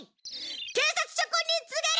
警察諸君に告げる！